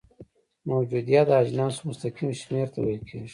موجودیه د اجناسو مستقیم شمیر ته ویل کیږي.